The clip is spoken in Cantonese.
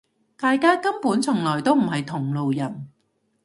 大家根本從來都唔係同路人